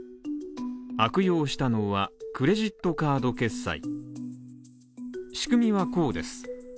悪用したのは、クレジットカード決済仕組みはこうです。